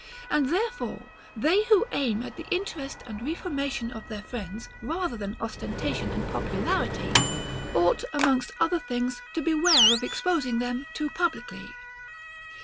And therefore they who aim at the interest and reformation of their friends rather than ostentation and popularity, ought amongst other things to beware of exposing them too publicly.